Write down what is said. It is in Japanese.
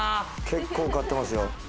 結構買ってますよ。